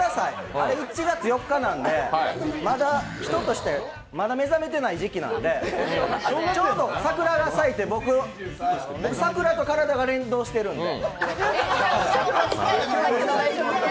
あれ１月４日なのでまだ人として目覚めていない時期なのでちょうど桜が咲いて僕、桜と体が連動してるんで。